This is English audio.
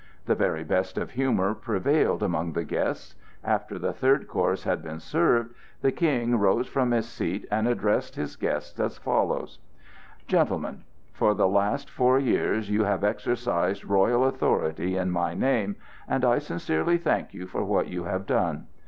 The very best of humor prevailed among the guests. After the third course had been served the King rose from his seat, and addressed his guests as follows: "Gentlemen, for the last four years you have exercised royal authority in my name, and I sincerely thank you for what you have done.